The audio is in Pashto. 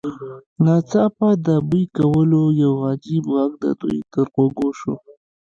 ناڅاپه د بوی کولو یو عجیب غږ د دوی تر غوږ شو